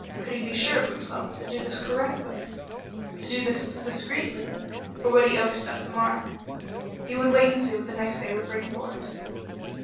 Could he be sure of himself to do this discreetly, or would he overstep the mark? He would wait and see what the next day would bring forth.